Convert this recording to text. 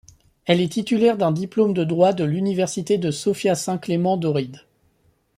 Elle est titulaire d'un diplôme de droit de l'université de Sofia Saint-Clément d'Ohrid.